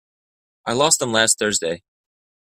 I lost them last Thursday.